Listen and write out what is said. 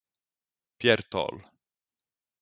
Pier Tol